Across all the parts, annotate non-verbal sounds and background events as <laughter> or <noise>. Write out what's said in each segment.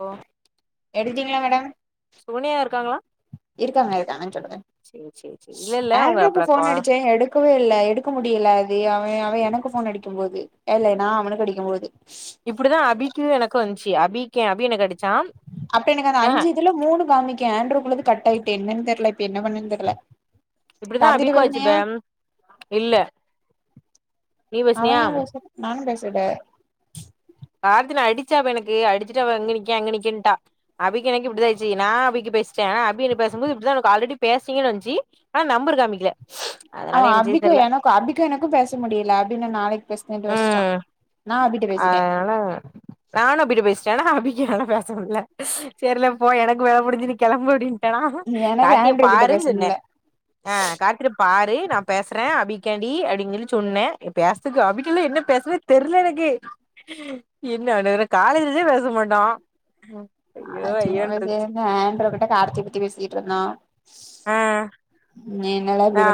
ஒ எடுத்தீங்ளா மேடம் சோனியா இருக்காங்களா இருக்காங்க இருக்காங்க அ சொல்லுங்க சேரி சேரி சேரி இல்ல இல்ல அவங்க ஆன்டிரியோக்கு அப்பல கா ஃபோன் அடிச்சே எடு குவில்ல எடுக்க முடில இது அவ அவ எனக்கு ஃபோன் அடிக்கும்போது எல்ல நா அவனுக்கு அடிக்கம் போது இப்பிடிதா அபிக்கு எனக்கு ந்துச்சு அபிகி அபி என்ன கேட்டுச்சா அப்ப எனக்கு அந்த அஞ்சு இதுல மூணு காமிக்கே ஆண்ட்ரோ குள்ளது கட் ஆயிட்டு என்னன்னு தெர்ல இப்ப என்ன பண்ணுன்னு தெர்ல இப்டிதா கார்த்திட்ட அபிகு ஆச்சு பேசுனியா பே இல்ல நீ அவ பேசுனியா எ பேசு நானு பேசிட்டே நாத்தின அடிச்சாப்ப எனக்கு அடிச்சுட்டு அவ அங்க நிக்க அங்க நிக்கன்ட்டா அபிக்கு எனக்கு இப்டிதா ஆயிச்சு நா அபிக்கு பேசிட்டே ஆனா அபி எனக்கு பேசபோது இப்டிதா நீங்க ஆல்ரெடி பேசீங்கன்னு வந்துச்சு ஆ நம்பரு காமிக்கல அ அதனால என்ன செய்ய அபிக்கு தெர்ல எனக்கு அபிக்கு எனக்கு பேச முடில அபி நா நாளைக்கு பேஸ்தேடு வச்டா ஆ னால நானு அபிட பேசிட்டே ஆனா அபிக்கு எனால பேச முல சேர்ல போ எனக்கு வேல முடிஞ்சு நீ கெளம்பு அப்டின் <unintelligible> எனக்கு காட்டி ஆண்ட்ரு கிட்ட பேச பாருன்னு சொன்னே முடில ஆ கார்த்திரிப் பாரு நா பேசுற அபிக்காண்டி அப்டினு சொல்லி சொன்னே பேசுதக்கு அபிக்கில்ல என்ன பேசனே தெர்ல எனக் க்கு என்ன <unintelligible> காலேஜ்ல இருந்தே பேச மாட்டோ ஐயோ அ சின்ன ஐயோன்ருச்சு வயசிலிருந்தே ஆண்ட்ரோ கிட்ட ஆர்த்தி பத்தி பேசிகிட்டு இருந்தோ ம் நீ என்னல ஆ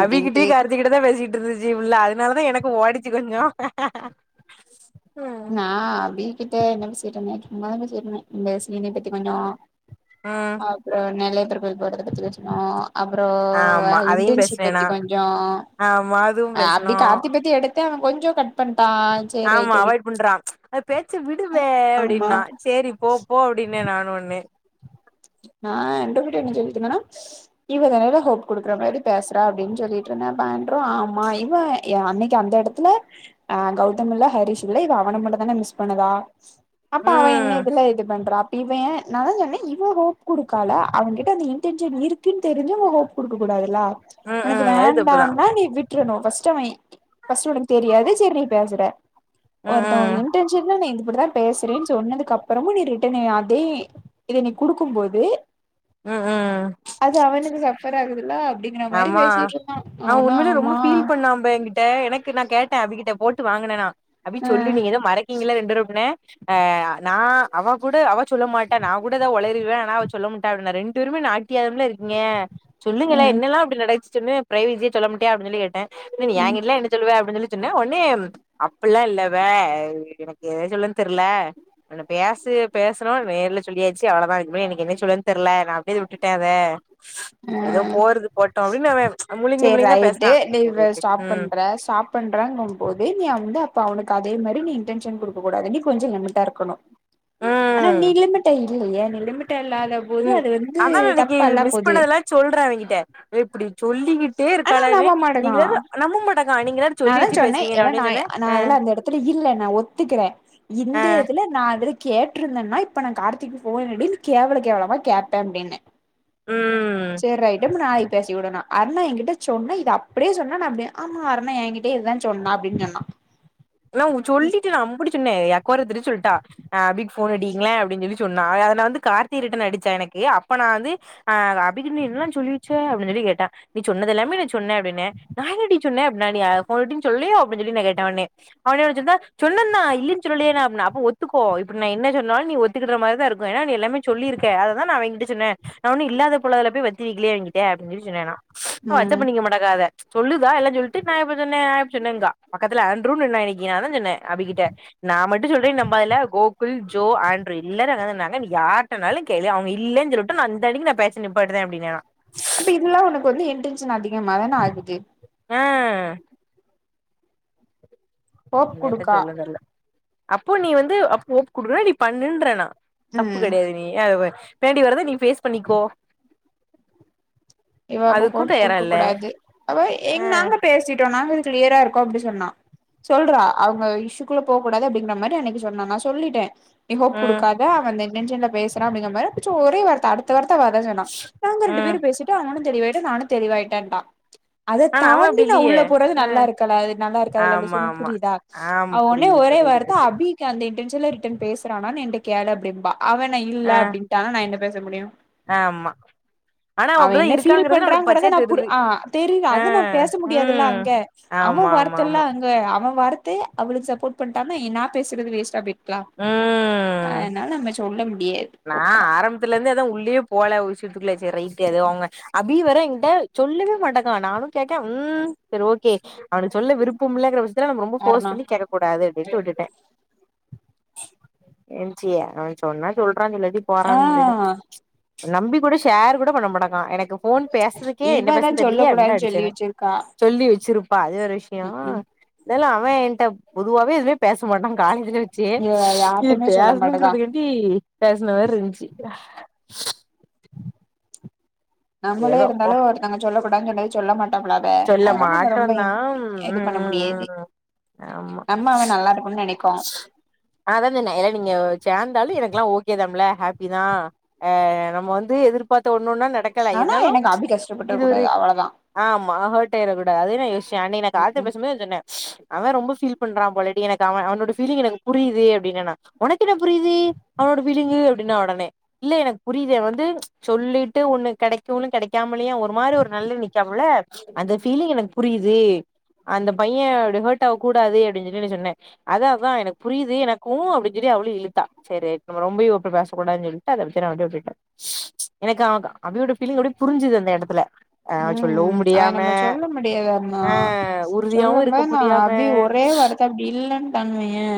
அபி கிட்டயு கார்த்தி கிட்ட தா பேசிட் ருந்துச்சு உள்ள அதனாலதா எனக்கு ஓடுச்சு கொஞ்சோ ம் நா அபிகிட்ட என்ன பசிட்டு இருந்தே சும்மாதா பேச்சிடிருந்தே இந்த சீன பத்தி கொஞ்சோ ஆ அப்புற நெல்லையப்பர் கோயில் போறத பத்தி யோசிச்சோ அப்றோ வேற ஆமா அதையு இன்டர்ன்ஷிப் பேசுனே பத்தி நா கொஞ்சோ ஆமா அதுவு அப்டி பேசுனோ கார்த்தி பத்தி எடத் த அவ கொஞ்சோ கட் பண்ட்டா சேரி ஆமா ரைட் அப்டின் அவாய்ட் பண்றா அவ பேச்ச விடுவே ஆமா அப்டின்னா சேரி போ போ அப்டின் னே நானு ஒட்ணே நா <unintelligible> இவ தனல்ல ஹோப் குடுக்குறா மாரி பேசுறா அப்டின் சொல்லிட்டு இருந்தே அப்ப ஆன்ரோ ஆமா இவ எ அன்னைக்கு அந்த இடத் த்துல அ கௌதம் இல்ல ஹரீஷ் இல்ல இவ அவன மட்டு தானே மிஸ் பண்ணுதா அப்ப அவ என்ன ம் இதுல இது பண்றா அப்ப இவ ஏ நா அதா சொன்னே இவ் வ ஹோப் குடுக்கால அவ கிட்ட அந்த இன்டென்சன் இருக்குன்னு தெரிஞ்சோ அவ ஹோப் கொடுக்க கூடாதுல்ல ம் ஒனக்கு ம் அது தப்புதா வேண்டானா நீ விட்றனு பஸ்டு அவ பஸ்டு ஒனக்கு தெரியாது சேரி நீ பேசுற ம் ஒருத்த ஒரு இன்டன்ஷன்ல இதுபடுரா பேசுறனு சொன்னதுக் அப் புறமு நீ ரிட்டன் அதே இத நீ குடுக்கும் போது ம் ம் ம் அது அவனுக்கு சஃபர் ஆகுதுலா அப்டிங்கிற மாரி ஆமா பேசிட்டு இருக்கா அவனு ஆமா நம்ப என்கிட்ட எனக்கு நா கேட்ட அபி கிட்ட போட்டு வாங்குன நா அபி ஆ சொல்லு நீ எதோ மறைக் நீங்களா ரெண்டு ரூம் னே ஆ நா அவ கூட அவ சொல்ல மாட்டா நா கூட ஏதாவது உளரிடுவ ஆனா அவ சொல்ல மாட்டா அப்டி ரெண்டு பேருமே நா <unintelligible> ல இருக்கீங்க ஆ சொல்லுங்களே என்னல்லா அப்டி நடன்சு சொன்னு பிரைவசியா சொல்ல மாட்டியா அப்டினு சொல்லி கேட்டே இல்ல நீ‌ ஆ ஏ கிட்டலா என்ன சொல்லுவ அப்டீன் சொல்லி சொன்னே ஒட்னே அப்பில்லா இல்ல பே எனக்கு எத சொல்லனு தெர்ல ஒன்னு பேசு பேசுறோ நேர்ல சொல்லியாச்சு அவ்ளோதா இதுக்கு மேல எனக்கு என்ன சொல்ரதுன்னு தெர்ல நா அப்டிடே அத விட்டுட்ட அத ஏதோ போறது போட்டு அப்டின்னு அவ முழுங்கி செரி முழுங்கிதா ரைட்டு பேசுனா சரி நீவ்வ விடு ஸ்டாப் ம் பண்ற அ சாப்பண்றங்க போது நீய வந்து அப்ப அவனுக்கு அதே மாரி நீ இன்டென்ஷன் குடுக்க கூடாது நீ கொஞ்சோ லிமிட்டா இருக்கணு ஆனா ம் நீ லிமிட்டா இல்லையே நீ லிமிட்டா இல்லாதப் போது அது வந்து தப்பால்ல போது சொல்ற அவிங்கிட்ட எப்புடி சொல்லிக்கிட் கிட்டே ஆனா இருக்காலவே நம்ப மாட்டேங்கா நீங்க வெறு நம்ப மாட்டாக்கா நீங்க எல்லாரு சொல்லி வச்சு பேசுவீங்க அவனே சொன்ன அ த்திரி இல்ல நா ஒத்துக்கிறே இந்ததுல நா அதுல கேட்ருந்தேன்னா இப்ப நா கார்த்திக்கு ஃபோனடினு கேவல கேவலமா கேப்பே அப்டின்னே ம் செர் ரைட்டு <unintelligible> ப நாளைக்கு பேசி விடனு அண்ணா என்கிட் ட்டச்சொன்னா இத அப்டியே சொன்னா நா அப்டியே ஆமா அருணா என்கிட்டயே இததா சொன்னா அப்டின்னு சொன்னா நா உ சொல்லிட்டு நா அம்புட்டு சொன்ன எ <unintelligible> சொல்ட்டா ஆ அபிக்கு ஃபோன் அடிங்கல அப்டின்னு சொல்லி சொன்னா அத நா வந்து கார்த்தி ரிட்டன் அடிச்சா எனக்கு அப்ப நா வந்து ஆ அத அபிக்கு நீ என்னல்லா சொல்லி வெச்ச அப்டின்னு சொல்லி கேட்டா நீ சொன்னத எல்லாமே நா சொன்ன அப்டின்னே நா என்னடி சொன்ன அப்பன்னா நீ அ ஃபோன் அடின்னு சொல்லி அப்டின்னு சொல்லி கேட்ட ஒடனே அவனே ஒடைச்சிருந்தா சொன்னாதா இல்லின் சொல்லியே நா அப்பன்னா அப்போ ஒத்துக்கோ இப்ப நா என்ன சொன்னாலு நீ ஒத் துக்கிடற மாதிரிதா இருக்கு ஏன்னா நீ எல்லாமே சொல்லிருக்க அததா நா அவய்ங் கிட்ட சொன்னே நா ஒன்னு இல்லாத பொல்லாததுல்ல போய் வத்தி வைக்கலயே அவிங்கிட்ட அப்டின்னு சொல்லி சொன்னேன்னா அச்சப் ம் பண்ணிக்க மாட்டாங்க அத ம்ச் சொல்லுதா எல்லா சொல்ட்டு நா எப்ப சொன்னே நா எப்ப சொன்னேங்கா பக்கத்துல ஆந் <unintelligible> நா தா சொன்னே அபி கிட்ட நா மட்டு சொல்றே நம்பாதுல கோகுல் ஜோ ஆண்ட்ரரு எல்லாரு அங்க தா இருந்தாங்க நீ யார் ட்டனாலு கேளு அவங்க இல்லன்னு சொல்லட்டு நா அந்த அன்னைக்கு நா பேச்ச நிப்பாட்டுத அப்டினா ம்ச் அப்ப இதெல்லா உனக்கு வந்து என்டென்ஷன் அதிகமா தானே ஆகுது ஆ ஹோப் என்னாத்த குடுக்கா சொல்ல தெர்ல அப்போ நீ வந்து அப்ப ஓப் குடுக்கிற நீ பண்ணுன்ற நா தப்பு ம் கிடையாது நீ <unintelligible> பின்னாடி வரத நீ பேஸ் பண்ணிக்கோ இவ அப்ப அதுக்கு கோப் தயாரா குடுக்க இல்ல கூடாது அதோ ஆ எங் நாங்க பேசிட்டோ நாங்க இது கிளியரா இருக்கோ அப்படி சொன்னா சொல்றா அவங்க இஷுக்குள்ள போ கூடாது அப்டிங்கிற மாரி அன்னைக்கு சொன்னா நா சொல்லிட்டே நீ ஹோப் ம் குடுக்காத அவ இந்த இன்டென்ஷன்ல பேசுறா அப்டிங்க மாரி ப்புசோ ஒரே வார்த்த அடுத் த்த வார்த்தா அவ அதா சொன்னா நாங்க ரெண்டு ம் பேரு பேசிட்டோ அவனு தெளிவாயிட்டா நானு தெளிவாயிட்டேன்டா அத ஆனா அவ தாண்டி அப்டி நா இல்லையே உள்ள போறது ஆ நல்லா இருக்கல்ல அது நல்லா இருக்கதுல லூசு ஆமா உனக்கு ஆமா புரியுதா ஆமா அவ ஒன்னே புரியுது ஒரே புரியுது வார்த் த புரியுது அபி க்கிய அந்த இன்டென்ஷன்ல ரிட்டர்ன் பேசுறானான் என்ட்ட கேளு அப்டிம்பா அவ நா இல்ல அப்டின்ட்டானா நா என்ன பேச முடியு ஆ ஆமா ஆனா அவ அப்டிதா என்ன ஃபீல் இருக்காங்கறது நம்மளுக்கு பண்றாங்கறத பச்சையா நா புடு தெரிது ஆ தெரில ஆ அது நா பேச முடியாதுல்ல ம் அங்க அவ ஆமா ஆமா வர்த்துல்ல ஆமா அங்க அவ வர்த்து அவளுக்கு சப்போர்ட் பண்ணிட்டான்னா இ நா பேசுறது வேஸ்டா போய்டு கா வ நா அதனால அங்க சொல்ல முடியாது நான் ஓப்பனா ஆரம்பத்துலருந்தே அதா உள்ளயே போல உஷித்துக்குள்ள செர் ரைட்டு அது அவங்க அத் பி வேற எங்கிட்ட சொல்லவே மாட்டக்கா நானு கேக்க ம் செரி ஓகே அவனுக்கு சொல்ல விருப்பம் இல்லங்குற விஷயத்துல நம்ப ரொம்பவு ஃபோர்ஸ் யாருனா பண்ணி கேக்கவ் கூடாது அப்டின்ட்டு விட்டுட்டே என்ச்சிய அவ சொன்னா சொல்றா இல்லாடிப் ஆ போறான் விட்டுட்டே ம்ச் அ நம்பி கூட ஷேர் கூட பண்ண மாடக்கா எனக்கு ஃப் ஃபோன் பேசுறதுக்கே என்ன இவதா பேசன்னு சொல்ல தெர்லயே அப்டின்னு தா கூடாதுன்னு சொல்லி ஆடிச்சனே வச்சிருக்கா சொல்லி வச்சிருப்பா அது வேற விஷய ம் ம் இதெல்லா அவ என்ட்ட பொதுவாவே எதுவுமே பேச மாட்டா காலேஜ்ல வச்சே ய இது யார்ட்டயுமே சொல்ல மாட்டேதா பேசணுங்கறிதுக்க டி பேசனவேருஞ்ச்சு நம்மளே ஏதோ போ இருந்தாலு ஒருத்தவங்க சொல்லக் கூடானு சொன்னது சொல்ல மாட்டோம்லாது சொல்ல மாட்டோந்தா ம் ம் ம் ஆமா அம்மாவ நல்லா இருக்கும்னு நெனைக்கு அதா சொன்னே ஏல நீங்க சேந்தாலு எனக்குல்லா ஓகே தாம்புல ஹாப்பி தா ஆ நம்ம வந்து எதிர்பாத்த ஒன்னொன்னா நடக் ஆனா எனக் <unintelligible> இது ஒரு ஆமா ஹோட்டை கூட அது நா யோசிய அ நீ ந கால்த்த ம்ஹூம் பேசும்போது சொன்னே அவ ரொம்ப ஃபீல் பன்றா போலடி எனக்கு அவ அவனு பீலிங் எனக்கு புரியுது அப்படின்ன நா ஒனக்கு என்ன புரியுது அவனோட பீலிங்கு அப்டின்னா ஒடனே இல்ல எனக்கு புரியுதே வந்து சொல்லிட்டு ஒண்ணு கெடைக்கு ஒன்னு கிடைக்காமலயா ஒரு மாரி ஒரு நல்ல நிக்காமல்ல அந்த ஃபீலிங் எனக்கு புரியுது அந்த பைய அப்ப ஹார்ட் ஆக கூடாது அப்படின்னு சொல்லி ந சொன்னே அதா அதா எனக்கு புரியுது எனக்கு அப்படின் சொல்லி அவளு இழுத்தா சரி நம்ம ரொம்பையு அற பேசக்கூடான் சொல் <unintelligible> விட்டுட்டே எனக்கு அவ அவோட ஃபீலிங் எனக்கு புரிஞ்சுது அந்த எடத்துல ஆ சொல்லவு ம் அது முடியாம நம்ம சொல்ல முடியாதன்னா ஆ உறுதியாவு இருக்க சொல்லும்போது நா முடியாம அப்டி ஒரே வார்த் தை அப்டி இல்லன்ட்டாங்கவய்யே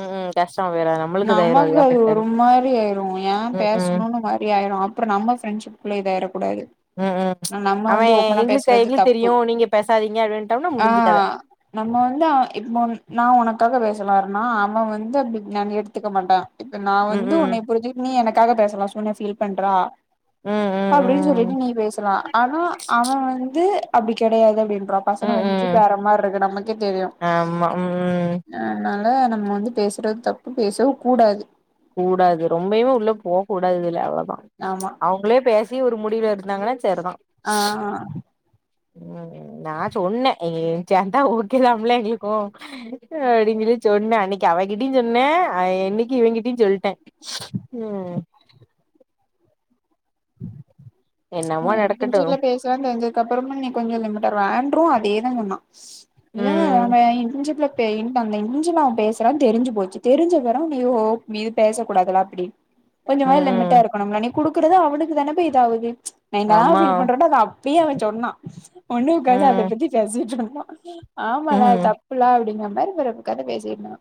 ம் ம் கஷ்டமா போற நம் நமக்கு அது ஒரு மாரி ஆயிரு ஏ ம் ம் பேசணுனு மாரி ஆயிரு அப்பற நம்ம ஃப்ரெண்ட்ஷிப் குள்ள இதாயிர கூடாது ம் ம் நம்ம அவ வந்து ஓப்பனா எங்களுக்கு பேசுறது எங்களுக்கு தப்பு தெரியு நீங்க பேசாதீங்க அப்டின்ட்டோம்னா ஆ முடிஞ்சு கத நம்ம வந்து அவ இப்போ நா உனக்காக பேசலாருனா அவ வந்து அப்டி நா எடுத்துக்க மாட்டே இப்ப நா ம் வந்து ம் உன்ன புரி்சுட்டு நீ எனக்காக பேசலா சோ நீ ஃபீல் பண்றா ம் ம் அப்படின்னு ம் சொல்லிட்டு நீ பேசலா ஆனா அவ வந்து அப்டி கெடையாது அப்டின்றா பசங்க ம் வெந்சி ம் போறமார்ருக்கு நமக்கே தெரியு ஆமா ம் அதனால நம்ம வந்து பேசுறது தப்பு பேசவு கூடாது கூடாது ரொம்பயு உள்ள போக கூடாதுல அவ்ளவுதா ஆமா அவங்களே பேசி ஒரு முடிவு எடுத்தாங்கன்னா சரிதா ஆ ம் நா சொன்னே எ சேந்தா ஊக்கலாம்ல எங்களுக்கு அப்படிங்கிழி சொன்னே அன்னைக்கு அவகிட்டிய் சொன்னே அ என்னைக்கு இவ கிட் டயு சொல்ட்டே ம் ஆ என்னமோ நடக்கட்டு <unintelligible> பேசுறானு தெரிஞ்சதப்பறமு நீ கொஞ்ச லிமிட்டா வேண்ட்ரு அதேதா சொன்னா இல்ல ம் அ இர்ன்ஷிப்ல பே இந்த அந்த இஞ்ச ந பேசுறா தெரிஞ்சு போச்சு தெரிஞ்ச பெறகு நீ ஹோப் மீது பேச கூடாதுல அப்டி கொஞ்சமாது லிமிட்டா ம் இருக்கணும்ல நீ குக்குறது அவளுக் தானேப்ப இதாகுது நா என்னல்லா ஆமா ஃபீல் பண்றனோ அத அப்டியே அவ சொன்னா ஒண்ணுவுக்காந்து அத ம் பத்தி பேசிட்ருக்கணுமா ஆமாலா ம் தப்புலா அப்படிங்கிற மாரி ஒரு கத பேசிருந்தா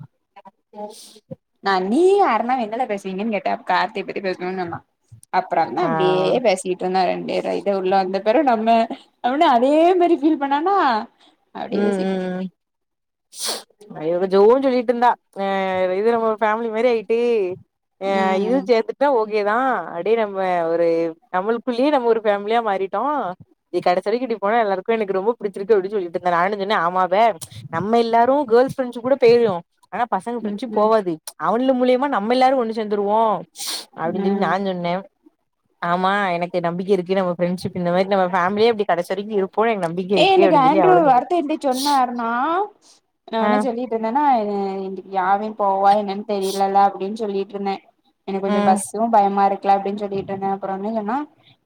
<unintelligible> நா நீயு அருணு என்னல பேசுவீங்கன்னு கேட்டே அதுக்கு அவ கார்த்தி பத்தி பேசுனோண்னு சொன்னா அப்பற என்ன ஆ பேசிட்ருந்தா ரெண்டர் இத உள்ள அந்த பேரு நம்ம அவன அதே மாரி ஃபீல் பண்ணானா ம் ம் ம் உ ஆ இவ ஜோவு சொல்லிட்ருந்தா அ இது நம்ம ஒரு ஃபேமிலி மாரி ஆயிட்டு ஆ இது ம் சேந்து இது ஓகேதா அப்டே நம்ம ஒரு நம்முளுக்குள்ளே நம்ம ஒரு ஃபேமிலியா மாறிட்டோ நீ கடைசி வரைக்கு இப்டி போனா எல்லாருக்கு எனக்கு ரொம்ப புடிச்சிருக்கு அப்டின் சொல்லிட்டே ந்த நானு சொன்னே ஆமாவே நம்ம எல்லாரு கேர்ள்ஸ் ஃபிரெண்ட்ஸ் கூட பேயிரு ஆனா பசங்க ம் ஃப்ரெண்ட்ஷிப் ம் போவாது அவனுங்க மூலியமா நம்ம எல்லாரு ஒன்னு சேந்துருவோ அப்டின் சொல்லி நா ம் சொன்னே ஆமா எனக்கு நம்பிக்க இருக்கு நம்ம ஃப்ரெண்ட்ஷிப் இந்த மாரி நம்ம ஃபேமிலியே அப்டி கடைசி வரைக்கு இருப் போனு எனக்கு நம்பிக்க இருக்கு அப்டின் சொல்லி அவளு சொல் இப்டி சொன்னாருன்னா நா ஆ ஒன்னே சொல்லிட்டு இருந்தேன்னா இ இன்னைக்கு யாரு போவா என்னன் தெரிலலா அப்டின் சொல்லிட்ருந்தே எனக்கு கொஞ்சோ ம் பஸ்சு பயம் மாருக்குல அப்டின் சொல்லிக்கிட்ருந்தே அப்பறோ என்ன சொன்னா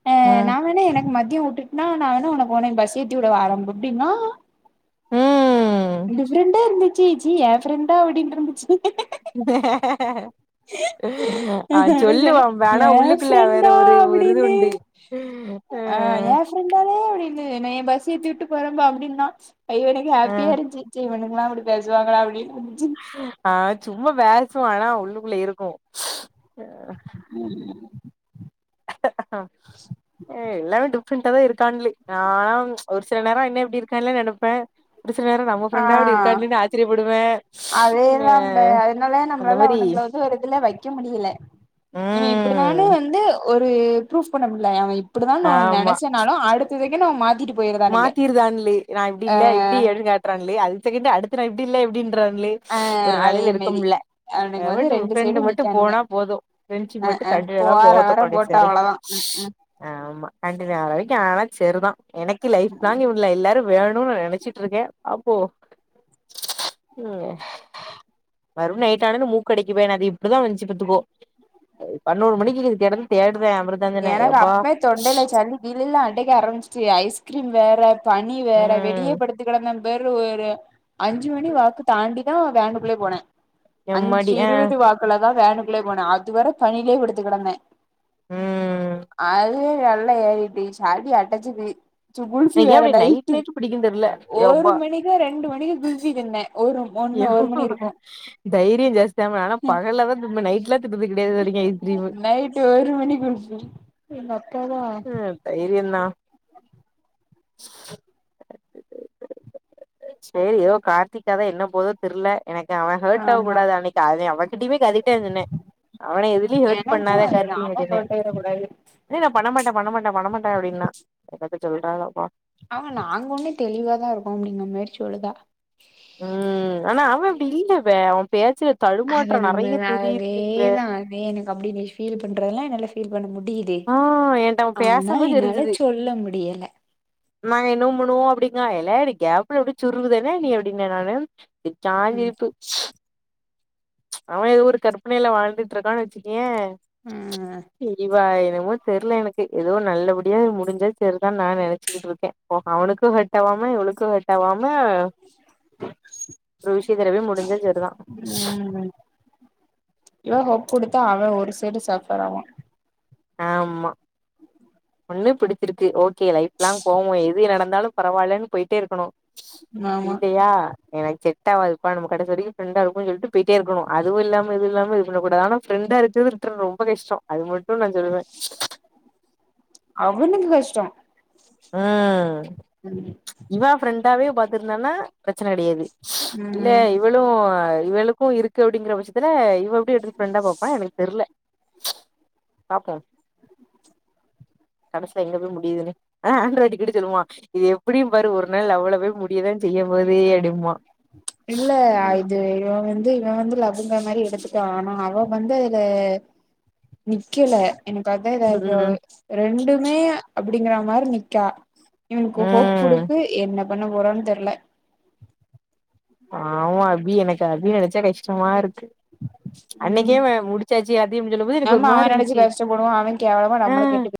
ஆ ம் நா வேணா எனக்கு மதியோ உட்டு ன்னா நா வேணா உனக்கு உன்னைய பஸ் ஏத்திவுட வாரே ம் <unintelligible> டிஃப்ரெண்டா இருந்துச்சு ச்சீ ஏன் ஃப்ரெண்டா அப்டின்ட்ருந்துச்சு அவ அதா சொன்னே சொல்லுவா வேணா ஏ உள்ளுக்குள்ள வேற ஃப்ரெண்டா ஒரு ஒரு அப்டின்னு இதுண்டு ஆ ஏ ஃப்ரெண்டாலே அப்டின்னு என்னைய பஸ் ஏத்தி உட்டு போறம்பா அப்டின்னா ஐயோ எனக்கு ஆ ஹாப்பியா இருந்ச்சு சு இவுனுங்களா இப்டி பேசுவாங்களா அப்டின்னு இந்துச்சு ஆ சும்மா பேசுவா ஆனா உள்ளுக்குள்ள இருக்கு உம் ஆஹ ஏ எல்லாமே டிஃப்ரெண்டா தா இருக்கான்லே ஆ ஒரு சில நேரோ என்ன இப்டி இருக்கால்லே நெனைப்பே ஒரு சில நேரோ நம்ம ஃப்ரெண்டா இப்டி இருக்கான்லே ஆச்சரியப்படுவே ஆ அதேதாம்பே அதனாலே அந்த நம்ளால மாரி அவனுங்கள வந்து ஒரு இதுல வைக்க முடியல இவ இப்டிதானு ம் வந்து ஒரு ப்ரூஃப் பண்ண முல்ல அவ இப்டிதான்னு ஒன்னு ஆமா நெனச்சனாலு அடுத்ததுக்கே நம்ம மாத்திட்டு போயிருதானுங்க மாத்திர்றான்லே நா இப்டி இல்ல இப்டி அப்டின் காட்றான்லே அடுத்த செகண்டு அடுத்து நா இப்டி இல்ல இப்டின்றான்லே ஆ ஒரு அதே நெலைல இருக்க மாரி முல்ல அவனுங்க லெவல் வந்து டூ ரெண்டு ஃப்ரெண்டு சைடு மட்டு நிக்கானுங்க போனா போது ஃப்ரெண்ட்ஷிப் அ மட்டு அ கண்டினியு ஆனா போற வர போது <unintelligible> போட்ட செரி அவ்ளோதா ம் ம் ஆமா கண்டினியூ ஆர வரைக்கு ஆனா செரிதா எனக்கி லைஃப் லாங் இவு ல எல்லாரு வேணுனு நா நெனைச்சிட்ருக்கே பாப்போ வரும் நைட்டு ஆனோன்னே மூக்கடைக்கு <unintelligible> அது இப்ப தா வந்ச்சு பாத்துக்கோ பன்னோரு மணிக்கு இங்க கெடந்து தேடுறே அப் எனக்கு அப்பே தொண்டைல சளி <unintelligible> ல்ல அடைக்க ஆரம்பிச்சு ஐஸ்கிரீம் வேற பனி வேற வெளிய ம் படுத்து கெடந்தே வேற ஒரு அஞ்சு மணி வாக்கு தாண்டிதா வேனு குள்ளே போன அஞ்சு எம்மாடி ஆ இருவது வாக்குல தா வேனுக்குள்ளே போனே அதுவர பனிலே படுத்து கெடந்தே ம் அதுவே நல்லா ஏறிட்டு சளி அடச்சிது சு குல்ஃபி எனக்கு ஏ வேற அப்டி நைட் நைட்டு நைட் பிடிக்குன்னு தெர்ல ஒரு யப்பா மணிக்கு ரெண்டு மணிக்கு குல்ஃபி தின்னே ஒரு ஒன்னு ஒரு மணி இருக்கு <inaudible> தைரியோ ஜாஸ்தி தாமா நானா பகல்ல தா திம்பே நைட்லா தின்னது கெடையாது இதுவரைக்கு ஐஸ்கிரீமு நைட்டு ஒரு மணி குல்ஃபி எங்க அக்கா தா தைரியந்தா சேரி எதோ கார்த்திகாதா என்ன போதோ தெரில எனக்கு அவ ஹர்ட் ஆக ஆமா கூடாது அன்னைக்கு அத அவன்கிட்டயுமே அததா சொன்ன அவன எதுலய ஹேர்ட் பண்ணாதே கார்த்தின்னுட்டு இருந்த போய்ற கூடாது பண்ண மாட்டே பண்ணமாட்டே பண்ண மாட்டே அப்டின்னா என்னத்த சொல்றாளோ அவ நாங்க ஒண்ணு தெளிவாதா இருக்கோ அப்டிங்க மாரி சொல்லுதா ம் ஆனா அவ அப்டி இல்லவே அவ பேச்சுற அத நம்ம அதேதா அத எனக்கு அப்டின்னு ஃபீல் பண்றதெல்லா என்னால ஃபீல் பண்ண முடியுது ஆ என்ட்ட அவ ஆனா பேசம்போது என்னால தெரிஞ்சுது சொல்ல முடியல நாங்க இனு முணு அப்டிங்காயே ஏல எனக்கு கேப்ல எப்டி சுருகுதானே நீ எப்டின்ன நானு ம் <unintelligible> அவ எதோ ஒரு கற்பனையில வாழ்ட்டு இருக்கான்னு வெச்சுக்கவே ம் செரிவா என்னமோ தெரில எனக்கு எதோ நல்லபடியா முடிஞ்சா செரிதான்னு நா நெனச்சுக்கிட்டு இருக்கே அவனுக்கு ஹெட்டவாம இவனுக்கு ஹெட்டவாம ஒரு விஷய திறவி முடிஞ்ச செரிதா இ்வ ஹோப் குடுத்தா அவ ஒரு சைடு சஃபர் ஆவா ஆமா ஒண்ணு பிடித்திருக்கு ஓகே லைப்லாங் போவோ எது நடந்தாலு பரவாயில்லன்னு போயிட்டே இருக்கணு ஆமா இல்லியா எனக்கு செட் ஆவாதுப்பா நம்ம கடைசிவரிக்கு ஃப்ரண்டா இருப்போ சொல்லிட்டு போயிட்டே இருக்கணு அதுவு இல்லாம இதுவு இல்லாம இது பண்ண கூடாது ஆன ஃப்ரண்டா இருக்கு <unintelligible> ரொம்ப கஷ்டோ அது மட்டு நா சொல்லுவே அவனுக்கு கஷ்டோ ம் ம் இவ ப்ரெண்டாவே பாத்திருந்தானா பிரச்சன கெடயாது இல்ல ம் இவள் இவளுக்கு இருக்கு அப்டிங்கிற பட்சத்துல இவ எப்டி எடுத்து ஃப்ரெண்டா பாப்பா எனக்கு தெரில பாப்போ கடைசில எங்க போய் முடியுதுன்னு ஆ ஆண்ட்ராய்டு கிட்ட சொல்லுவா இது எப்பிடியு பாரு ஒரு நாள் லவ்வுல போய் முடியதா செய்ய போது அப்டிம்பா இல்ல ம் இது எ இவ வந்து இவ வந்து லவ்வுங்கற மாரி எடுத்துட்டா ஆனா அவ வந்து அதுல நிக்கலே எனக்கு அதுதா இதா ம் இருக்கு ரெண்டுமே அப்டிங்கற மாரி நிக்கா இவனுக்கு ஹோப் ம் குடுக்கு என்ன பண்ண போறான்னு தெரில ஆமா அபி எனக்கு அபி நெனச்சா கஷ்டமா இருக்கு அன்னைக்கே அவ முடிச்சாச்சு அப்டின்னு சொல்லும் போது எனக்கு நம்ம அவ ஒருமாரி இருந்துச்சு <unintelligible> அவ கேவலமா நம்மள ஆ கேட்டு